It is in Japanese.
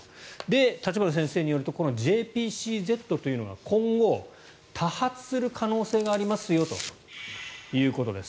立花先生によるとこのＪＰＣＺというのが今後、多発する可能性がありますよということです。